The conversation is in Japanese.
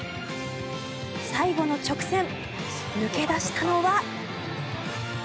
最後の直線抜け出したのは。